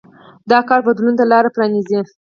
دا کار بدلون ته لار پرانېزي.